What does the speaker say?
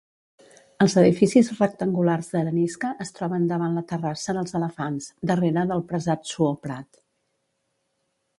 Els edificis rectangulars d'arenisca es troben davant la Terrassa dels Elefants, darrere del Prasat Suor Prat.